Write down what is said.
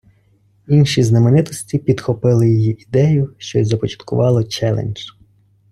Інші знаменитості підхопили її ідею, що й започаткувало челендж.